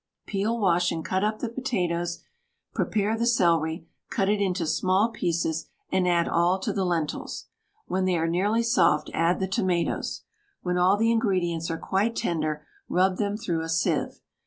Peel, wash, and cut up the potatoes, prepare the celery, cut it into small pieces, and add all to the lentils. When they are nearly soft add the tomatoes. When all the ingredients are quite tender rub them through a sieve.